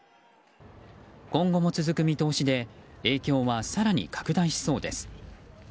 今後も続く見通しで影響は更に拡大しそうです。